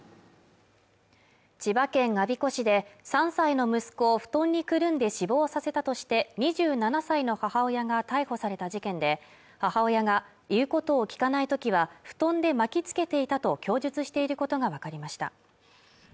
千葉県我孫子市で３歳の息子を布団にくるんで死亡させたとして２７歳の母親が逮捕された事件で母親が言うことを聞かない時は布団で巻きつけていたと供述していることが分かりました